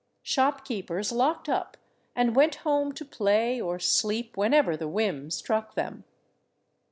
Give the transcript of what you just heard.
Shopkeepers locked up and went home to play or sleep whenever the whim struck them.